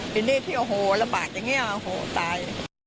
ทีนี้ที่โอ้โฮระบาดอย่างนี้โอ้โฮตาย